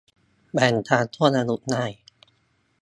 แบ่งตามช่วงอายุง่าย